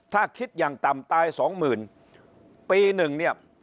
ถ้าคิดอย่างต่ำตายสองหมื่นปีหนึ่งเนี่ย